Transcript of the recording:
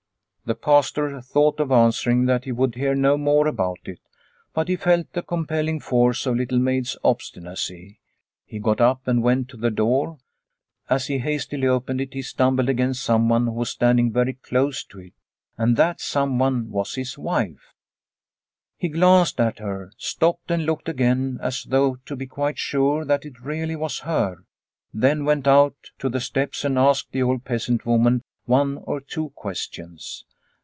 The Pastor thought of answering that he would hear no more about it, but he felt the compelling force of Little Maid's obstinacy. He got up and went to the door. As he hastily opened it he stumbled against someone who was standing very close to it, and that some one was his wife. He glanced at her, stopped and looked again as though to be quite sure that it really was her, then went out to the steps and asked the old peasant woman one or two questions.